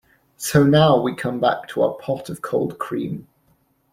So now we come back to our pot of cold cream.